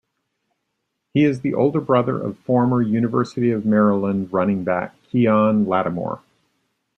He is the older brother of former University of Maryland running back Keon Lattimore.